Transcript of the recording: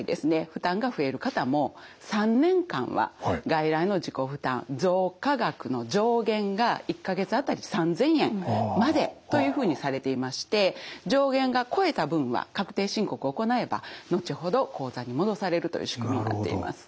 負担が増える方も３年間は外来の自己負担増加額の上限が１か月あたり３，０００円までというふうにされていまして上限が超えた分は確定申告を行えば後ほど口座に戻されるという仕組みになっています。